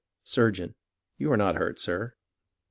Surgeon You are not hurt, sir.